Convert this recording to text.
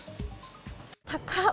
高っ！